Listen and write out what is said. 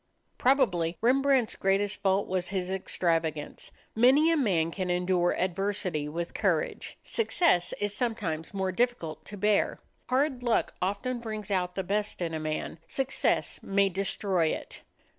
Probably Rembrandt's greatest fault was his extravagance. Many a man can endure adversity with courage; success is sometimes more difficult to bear. Hard luck often brings out the best in a man; success may destroy it.